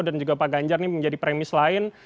dan juga pak ganjar ini menjadi premis lain